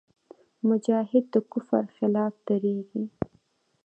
مجاهد د کفر خلاف درېږي.